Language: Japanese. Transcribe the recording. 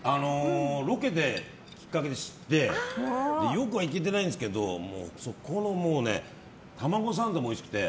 ロケがきっかけで知ってよくは行けてないんですがそこの卵サンドもおいしくて。